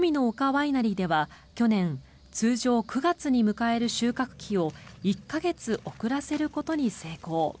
ワイナリーでは去年通常、９月に迎える収穫期を１か月遅らせることに成功。